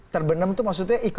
terbenam itu maksudnya ikut